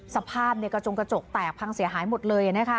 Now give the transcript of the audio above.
สภาพกระจงกระจกแตกพังเสียหายหมดเลยนะคะ